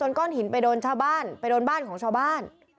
ก้อนหินไปโดนชาวบ้านไปโดนบ้านของชาวบ้าน